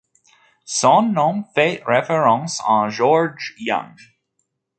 Son nom fait référence à George Yonge.